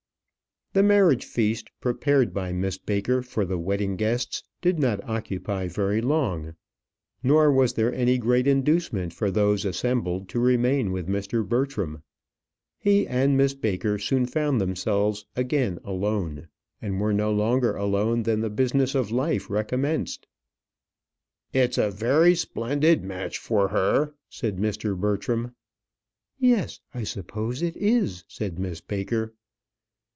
The marriage feast, prepared by Miss Baker for the wedding guests, did not occupy very long; nor was there any great inducement for those assembled to remain with Mr. Bertram. He and Miss Baker soon found themselves again alone; and were no sooner alone than the business of life recommenced. "It's a very splendid match for her," said Mr. Bertram. "Yes, I suppose it is," said Miss Baker.